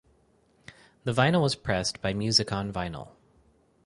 The vinyl was pressed by Music On Vinyl.